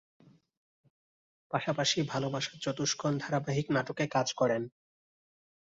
পাশাপাশি "ভালোবাসার চতুষ্কোণ" ধারাবাহিক নাটকে কাজ করেন।